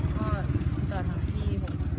ต่อทั้งที่